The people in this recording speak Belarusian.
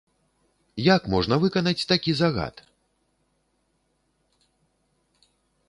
Як можна выканаць такі загад?